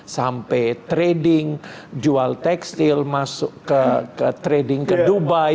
sampai trading jual tekstil masuk ke trading ke dubai